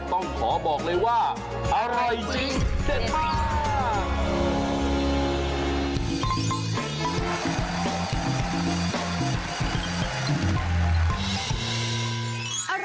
ต้องขอบอกเลยว่าอร่อยจริงเด็ดมาก